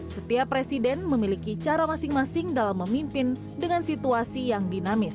setiap presiden memiliki cara masing masing dalam memimpin dengan situasi yang dinamis